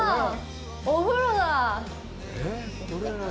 お風呂だ！